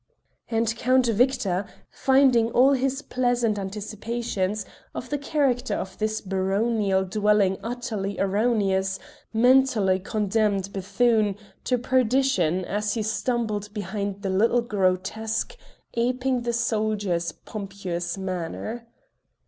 And Count Victor, finding all his pleasant anticipations of the character of this baronial dwelling utterly erroneous, mentally condemned Bethune to perdition as he stumbled behind the little grotesque aping the soldier's pompous manner.